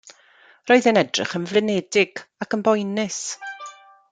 Roedd e'n edrych yn flinedig ac yn boenus.